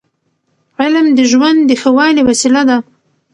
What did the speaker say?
علم د ژوند د ښه والي وسیله ده.